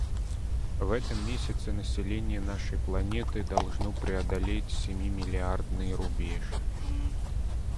В этом месяце население нашей планеты должно преодолеть семи миллиардный рубеж.